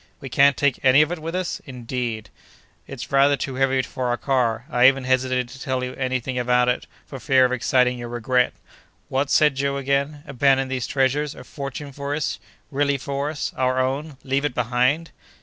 "We can't take any of it with us, indeed?" "It's rather too heavy for our car! I even hesitated to tell you any thing about it, for fear of exciting your regret!" "What!" said Joe, again, "abandon these treasures—a fortune for us!—really for us—our own—leave it behind!"